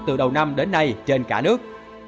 từ đầu năm đến nay trên cả nước